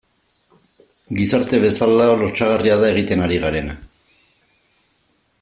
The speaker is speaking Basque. Gizarte bezala lotsagarria da egiten ari garena.